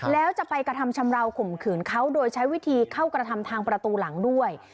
แล้วจะไปกระทำชำราวข่มขืนเขาโดยใช้วิธีเข้ากระทำทางประตูหลังด้วย